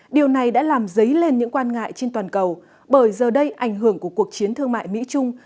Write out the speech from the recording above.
điều này đã làm dấy lên những quan ngại trên toàn cầu bởi giờ đây ảnh hưởng của cuộc chiến thương mại mỹ trung